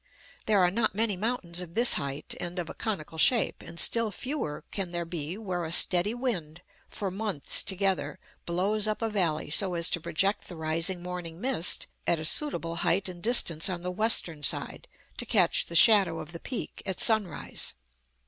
There are not many mountains of this height and of a conical shape; and still fewer can there be where a steady wind, for months together, blows up a valley so as to project the rising morning mist at a suitable height and distance on the western side, to catch the shadow of the peak at sunrise.